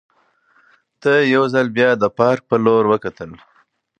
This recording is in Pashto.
ده یو ځل بیا د پارک په لور وکتل.